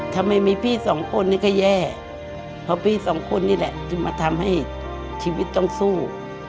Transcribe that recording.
ถ้าไม่มีพี่สองคนนี่ก็แย่เพราะพี่สองคนนี่แหละที่มาทำให้ชีวิตต้องสู้